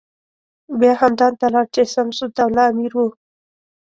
بیا همدان ته لاړ چې شمس الدوله امیر و.